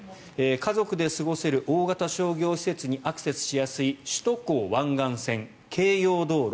家族で過ごせる大型商業施設にアクセスしやすい首都高湾岸線、京葉道路